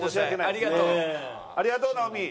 ありがとう直美。